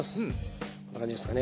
こんな感じですかね